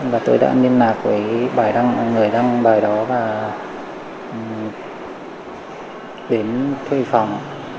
và tôi đã liên lạc với bài đăng người đăng bài đó và đến thuê phòng